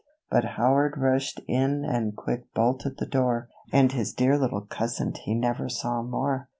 But Howard rushed in and quick bolted the door, And his dear little cousin he never saw more.